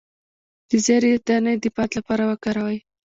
د زیرې دانه د باد لپاره وکاروئ